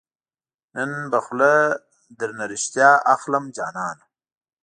نن به خوله درنه ريښتیا اخلم جانانه